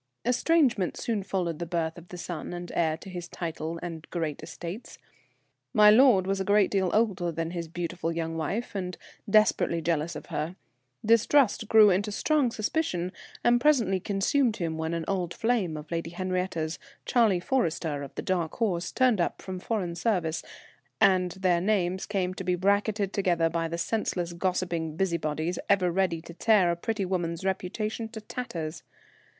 Estrangement soon followed the birth of the son and heir to his title and great estates. My lord was a great deal older than his beautiful young wife, and desperately jealous of her. Distrust grew into strong suspicion, and presently consumed him when an old flame of Lady Henriette's, Charlie Forrester, of the Dark Horse, turned up from foreign service, and their names came to be bracketed together by the senseless gossiping busybodies ever ready to tear a pretty woman's reputation to tatters.